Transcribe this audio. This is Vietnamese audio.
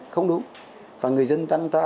không đúng và người dân tăng ta